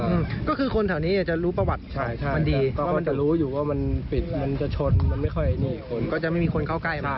อืมก็คือคนแถวนี้อาจจะรู้ประวัติใช่ค่ะมันดีเขาก็จะรู้อยู่ว่ามันปิดมันจะชนมันไม่ค่อยมีคนก็จะไม่มีคนเข้าใกล้มาก